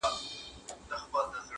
چي نه یې ګټه نه زیان رسېږي,